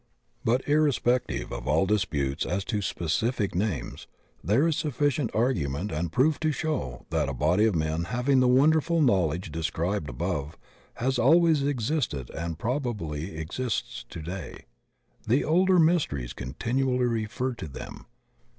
"* But irrespective of all disputes as to specific names, there is sufficient argument and proof to show that a body of men having the wonderful knowledge de scribed above has always existed and probably exists today. The older mysteries continually refer to them.